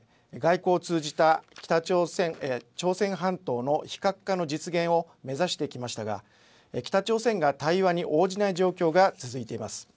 外交を通じた朝鮮半島の非核化の実現を目指してきましたが北朝鮮が対話に応じない状況が続いています。